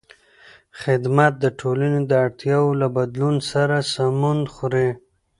خدمت د ټولنې د اړتیاوو له بدلون سره سمون خوري.